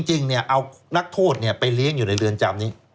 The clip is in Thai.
จริงเอานักโทษไปเลี้ยงอยู่ในเรือนจำนี้